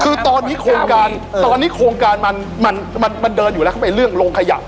คือตอนนี้โครงการตอนนี้โครงการมันเดินอยู่แล้วเข้าไปเรื่องโรงขยะ